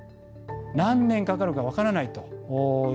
何年かかるか分からないと。